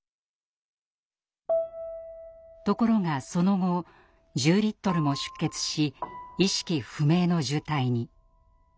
ところがその後１０リットルも出血し意識不明の重体に。